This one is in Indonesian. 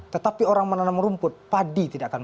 tetapi orang menanam rumput padi tidak akan